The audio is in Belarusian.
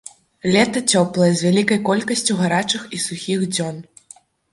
Лета цёплае, з вялікай колькасцю гарачых і сухіх дзён.